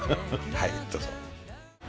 はいどうぞ。